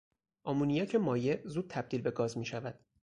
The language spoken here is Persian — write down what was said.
آمونیاک مایع زود تبدیل به گاز میشود.